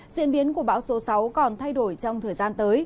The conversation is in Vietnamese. diễn biến của bão số sáu còn thay đổi trong thời gian tới